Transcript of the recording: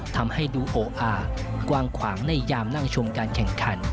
ทำให้ดูโออากว้างขวางในยามนั่งชมการแข่งขัน